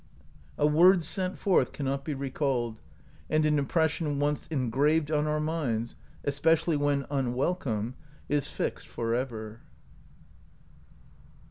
A word sent forth cannot be recalled, and an impression once engraved on our minds, especially when unwelcome, is fixed forever.